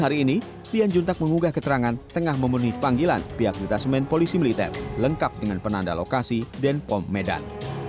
hari ini lian juntak mengugah keterangan tengah memenuhi panggilan pihak detasemen polisi militer lengkap dengan penanda lokasi denpom medan